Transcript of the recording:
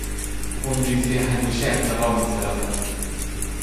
خونریزی همیشه انتقام میطلبد.